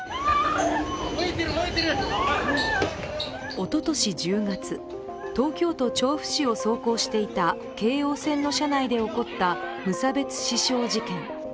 おととし１０月東京都調布市を走行していた京王線の車内で起こった無差刺傷匠事件。